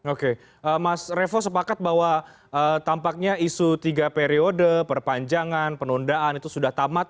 oke mas revo sepakat bahwa tampaknya isu tiga periode perpanjangan penundaan itu sudah tamat